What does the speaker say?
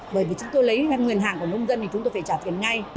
bởi vì chúng tôi lấy nguồn hàng của nông dân thì chúng tôi phải trả tiền ngay